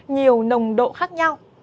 nhiều nồng độ khác nhau